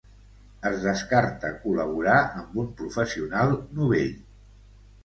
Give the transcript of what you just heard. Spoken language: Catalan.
Es descarta col·laborar amb un professional novell.